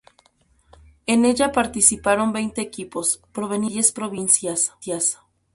En ella participaron veinte equipos, provenientes de diez provincias.